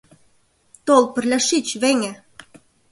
— Тол, пырля шич, веҥе.